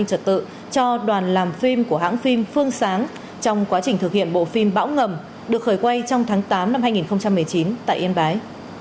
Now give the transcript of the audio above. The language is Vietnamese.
đồng chí thứ trưởng đã chỉ đạo công tác phối hợp và đảm bảo an ninh trật tự cho đoàn làm phim của hãng phim phương sáng trong quá trình thực hiện bộ phim bão ngầm được khởi quay trong tháng tám năm hai nghìn một mươi chín tại yên bái